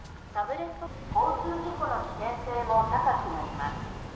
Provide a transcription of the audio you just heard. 交通事故の危険性も高くなります。